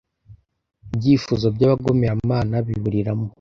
ibyifuzo by'abagomeramana biburiramo